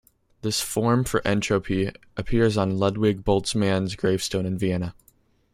This form for entropy appears on Ludwig Boltzmann's gravestone in Vienna.